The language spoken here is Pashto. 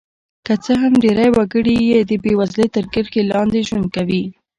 که څه هم ډېری وګړي یې د بېوزلۍ تر کرښې لاندې ژوند کوي.